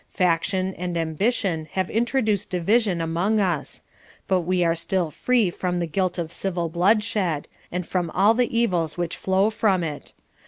Faction and ambition have introduced division among us; but we are still free from the guilt of civil bloodshed, and from all the evils which flow from it.